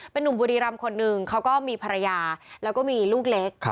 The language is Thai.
เป็นนุ่มบุรีรำคนหนึ่งเขาก็มีภรรยาแล้วก็มีลูกเล็ก